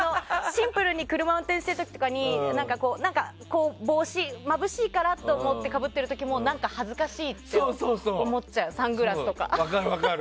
シンプルに車を運転してる時とかにまぶしいからと思って帽子かぶってても恥ずかしいって思っちゃう。